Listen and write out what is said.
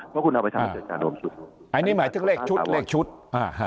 เพราะคุณเอาไปทำให้เกิดการรวมชุดอันนี้หมายถึงเลขชุดเลขชุดอ่าฮะ